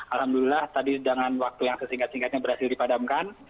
alhamdulillah tadi dengan waktu yang sesingkat singkatnya berhasil dipadamkan